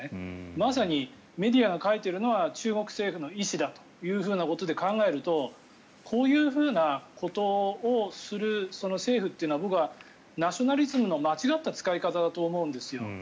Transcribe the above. まさにメディアが書いているのは中国政府の意思だと考えるとこういうふうなことをする政府というのは僕はナショナリズムの間違った使い方だと思うんです。